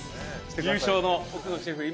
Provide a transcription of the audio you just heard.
優勝の奥野シェフ今？